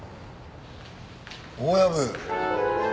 大藪。